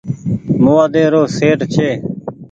موآدي رو سيٽ ڇي۔